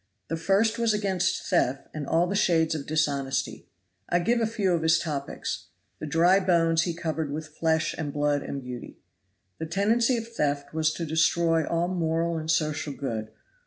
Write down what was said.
The first was against theft and all the shades of dishonesty. I give a few of his topics. The dry bones he covered with flesh and blood and beauty. The tendency of theft was to destroy all moral and social good.